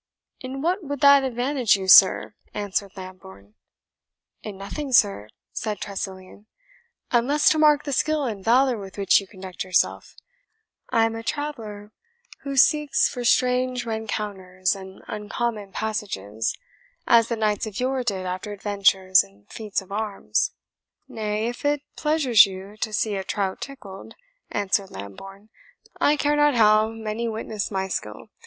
"In what would that advantage you, sir?" answered Lambourne. "In nothing, sir," said Tressilian, "unless to mark the skill and valour with which you conduct yourself. I am a traveller who seeks for strange rencounters and uncommon passages, as the knights of yore did after adventures and feats of arms." "Nay, if it pleasures you to see a trout tickled," answered Lambourne, "I care not how many witness my skill.